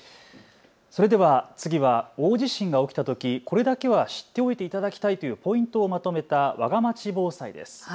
それでは次は大地震が起きたときこれだけは知っておいていただきたいというポイントをまとめたわがまち防災です。